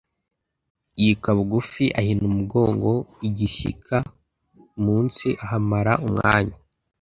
yika bugufi ahina umugongo agishyika mu nsi ahamara umwanya